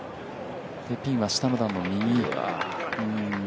ピンは下の段の右。